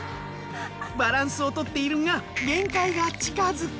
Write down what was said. バランスをとっているが限界が近づく。